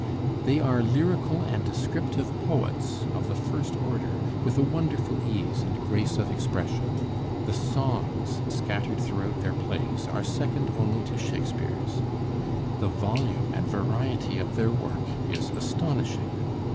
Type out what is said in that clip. They are lyrical and descriptive poets of the first order, with a wonderful ease and grace of expression. The songs scattered throughout their plays are second only to Shakespeare's. The volume and variety of their work is astonishing.